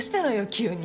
急に。